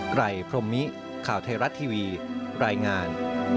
ไรพรมมิข่าวไทยรัฐทีวีรายงาน